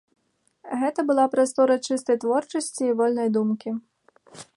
Гэта была прастора чыстай творчасці і вольнай думкі.